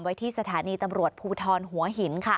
ไว้ที่สถานีตำรวจภูบิทร์ฐียงหัวหิน